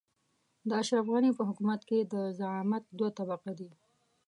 د اشرف غني په حکومت کې د زعامت دوه قطبه دي.